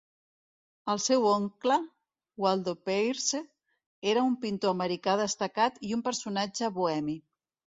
El seu oncle, Waldo Peirce, era un pintor americà destacat i un personatge bohemi.